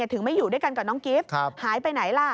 ถึงไม่อยู่ด้วยกันกับน้องกิฟต์หายไปไหนล่ะ